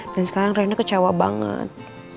dan sekarang reina kecewa banget